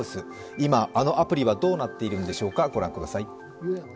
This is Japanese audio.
今、あのアプリはどうなっているんでしょうか、御覧ください。